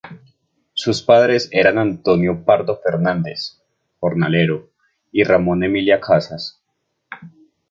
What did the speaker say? Sus padres eran Antonio Pardo Fernández, jornalero, y Ramona Emilia Casas.